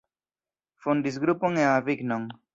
Fondis grupon en Avignon.